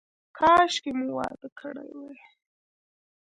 کاشکې مو واده کړی وای.